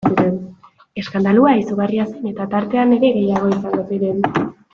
Eskandalua izugarria zen eta tartean gehiago ere izango ziren...